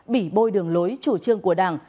bị bôi đường lối chủ trương của đảng